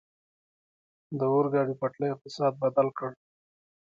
د اورګاډي پټلۍ اقتصاد بدل کړ.